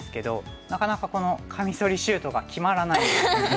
なかなかカミソリシュートが決まらないんですよね。